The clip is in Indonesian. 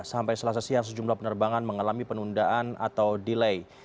sampai selasa siang sejumlah penerbangan mengalami penundaan atau delay